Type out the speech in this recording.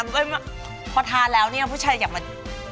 พอทานแล้วเนี่ยผู้ชายอยากมา